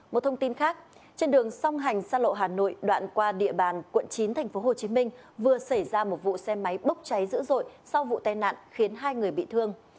một thông tin khác trên đường song hành xa lộ hà nội đoạn qua địa bàn quận chín tp hcm vừa xảy ra một vụ xe máy bốc cháy dữ dội sau vụ tai nạn khiến hai người bị thương